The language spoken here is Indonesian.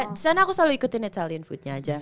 di sana aku selalu ikutin italian food nya aja